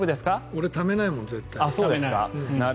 俺、ためないもん絶対。